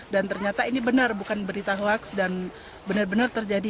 dan ternyata ini benar bukan berita huaks dan benar benar terjadi